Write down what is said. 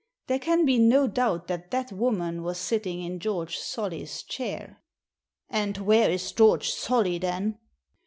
There can be no doubt that that woman was sitting in George Solly's chair." " And where is George Solly then